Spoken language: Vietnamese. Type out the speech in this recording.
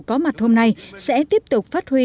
có mặt hôm nay sẽ tiếp tục phát huy